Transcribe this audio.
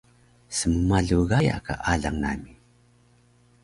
smmalu Gaya ka alang nami